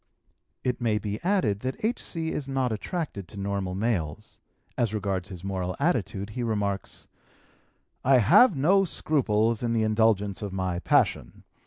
It may be added that H.C. is not attracted to normal males. As regards his moral attitude he remarks: "I have no scruples in the indulgence of my passion.